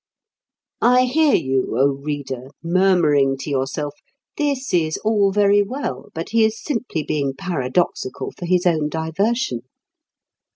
I hear you, O reader, murmuring to yourself: "This is all very well, but he is simply being paradoxical for his own diversion."